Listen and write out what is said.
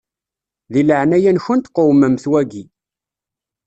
Di leɛnaya-nkent qewmemt waki.